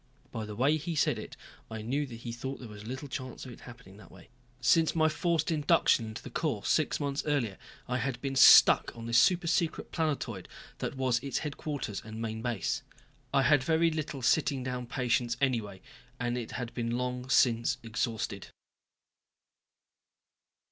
By the way he said it, I knew he thought there was little chance of its happening that way. Since my forced induction into the Corps six months earlier I had been stuck on this super secret planetoid that was its headquarters and main base. I had very little sitting down patience anyway, and it had been long since exhausted.